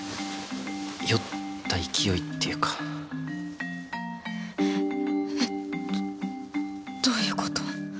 酔った勢いっていうかえっどどういうこと？